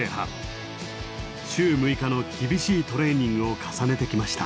週６日の厳しいトレーニングを重ねてきました。